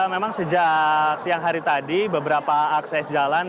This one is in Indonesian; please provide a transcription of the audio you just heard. memang sejak siang hari tadi beberapa akses jalan